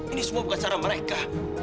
ini semua bukan cara mereka